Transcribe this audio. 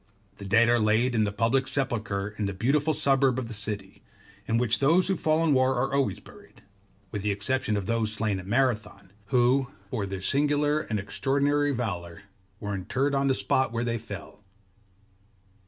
The dead are laid in the public sepulchre in the Beautiful suburb of the city, in which those who fall in war are always buried; with the exception of those slain at Marathon, who for their singular and extraordinary valour were interred on the spot where they fell.